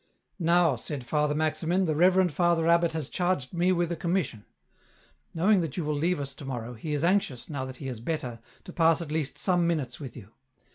" Now," said Father Maximin, " the reverend Father abbot has charged me with a commission ; knowing that you will leave us to morrow, he is anxious, now that he is better, to pass at least some minutes with you.